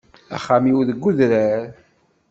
Axxam-iw deg udrar.